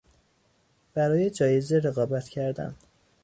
برای جایزه رقابت کردن